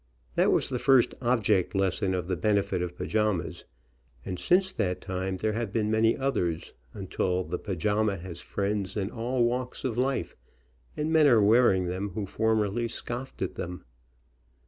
That was the first object lesson of the benefits of pajamas, and since that time there have been many others, until the pajama has friends in all walks of life, and men are wearing them who formerly scoffed at them.